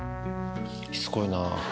しつこいな。